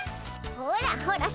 ほらほら